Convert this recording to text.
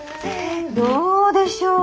どうでしょう。